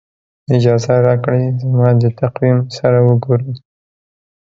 اجازه راکړئ زما د تقویم سره وګورم.